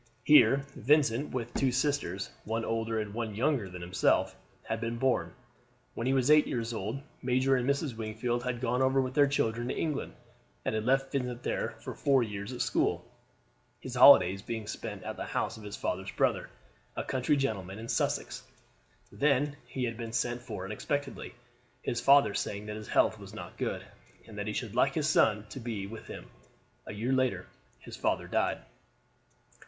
Here Vincent, with two sisters, one older and one younger than himself, had been born. When he was eight years old Major and Mrs. Wingfield had gone over with their children to England, and had left Vincent there for four years at school, his holidays being spent at the house of his father's brother, a country gentleman in Sussex. Then he had been sent for unexpectedly; his father saying that his health was not good, and that he should like his son to be with him. A year later his father died.